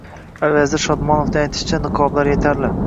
Vazir Shodmonovning aytishicha, niqoblar etarli